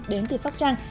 đến từ sóc trăng